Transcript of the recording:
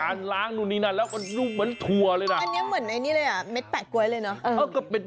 อันนี้เหมือนเม็ดแตะก๋วยใช่ไหม